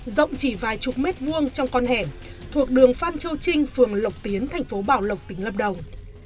rộng chỉ vài chục mét vuông trong con hẻm thuộc đường phan châu trinh phường lộc tiến thành phố bảo lộc tỉnh lâm đồng